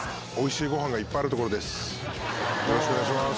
よろしくお願いします。